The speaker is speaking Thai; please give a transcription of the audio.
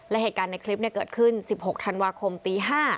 และเหตุการณ์ในคลิปเกิดขึ้น๑๖ธันวาคมตี๕